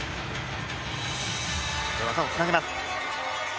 技をつなげます。